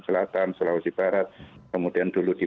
selatan sulawesi barat kemudian dulu di